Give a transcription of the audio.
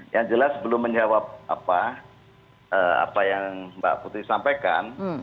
yang jelas sebelum menjawab apa yang mbak putri sampaikan